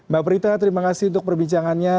mbak prita terima kasih untuk perbincangannya